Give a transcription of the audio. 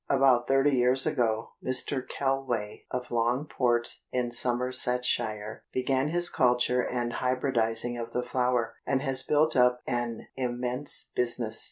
About thirty years ago Mr. Kelway of Longport, in Somersetshire, began his culture and hybridizing of the flower, and has built up an immense business.